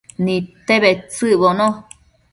Nidte bedtsëcbono